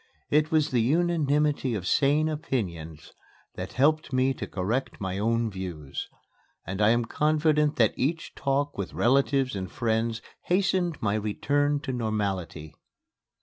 It was the unanimity of sane opinions that helped me to correct my own views; and I am confident that each talk with relatives and friends hastened my return to normality.